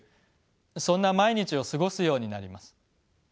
そんな毎日を過ごすようになります。